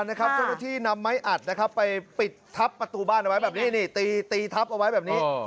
เจ้าหน้าที่นำไม้อัดไปปิดทับประตูบ้านเอาไว้แบบนี้ตีทับเอาไว้แบบนี้